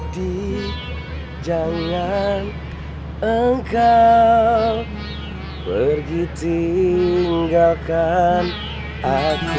di jangan engkau pergi tinggalkan aku